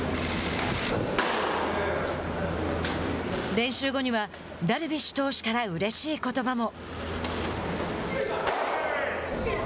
練習後にはダルビッシュ投手からうれしいことばも。